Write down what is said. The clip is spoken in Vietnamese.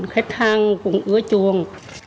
khách hàng cùng ứa chuồng